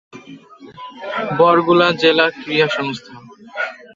বরগুনা জেলা ক্রীড়া সংস্থা